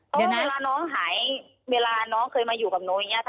เพราะเวลาน้องหายเวลาน้องเคยมาอยู่กับหนูอย่างนี้